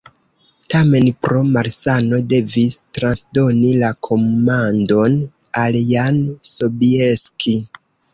Tamen pro malsano devis transdoni la komandon al Jan Sobieski.